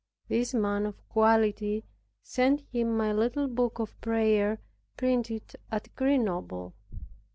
This man of quality sent him my little book of prayer and printed at Grenoble.